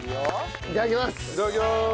いただきます。